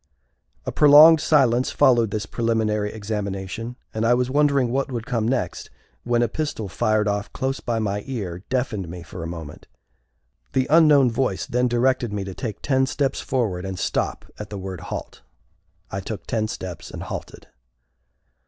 A prolonged silence followed this preliminary examination and I was wondering what would come next, when a pistol fired off close by my car deafened me for a moment. The unknown voice then directed me to take ten steps forward and stop at the word halt. I took ten steps, and halted.